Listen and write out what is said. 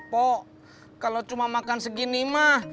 pok kalau cuma makan segini mah